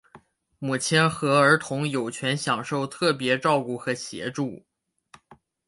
母亲和儿童有权享受特别照顾和协助。